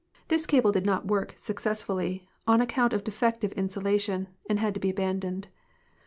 This cable did not work successfully, on account of defective in sulation, and had to be aljandoned.